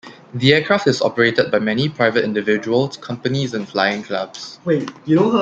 The aircraft is operated by many private individuals, companies and flying clubs.